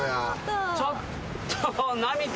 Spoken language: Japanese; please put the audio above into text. ちょっと。